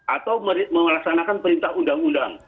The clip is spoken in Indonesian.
atau melaksanakan perintah udang udang